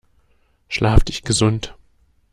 Schlaf dich gesund!